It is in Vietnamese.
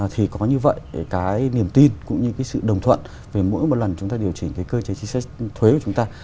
thì có như vậy cái niềm tin cũng như cái sự đồng thuận về mỗi một lần chúng ta điều chỉnh cái cơ chế chính sách thuế của chúng ta